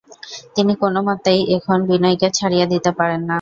তিনি কোনোমতেই এখন বিনয়কে ছাড়িয়া দিতে পারেন না।